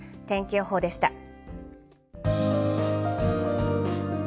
天気予報でした。